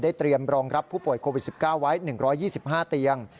เตรียมรองรับผู้ป่วยโควิด๑๙ไว้๑๒๕เตียง